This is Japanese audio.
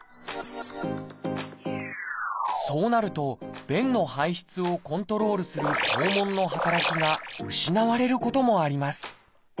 そうなると便の排出をコントロールする肛門の働きが失われることもあります。